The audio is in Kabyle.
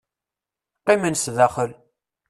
Qqimen sdaxel.